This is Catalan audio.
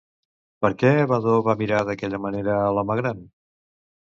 Per què Vadó va mirar d'aquella manera a l'home gran?